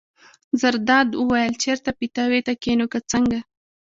زرداد وویل: چېرته پیتاوي ته کېنو که څنګه.